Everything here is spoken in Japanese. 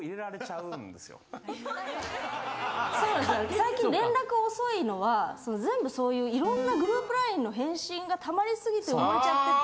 最近連絡遅いのは全部そういう色んなグループＬＩＮＥの返信がたまり過ぎて埋もれちゃってて。